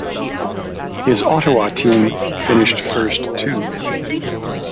His Ottawa team finished first, too.